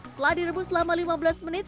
setelah direbus selama lima belas menit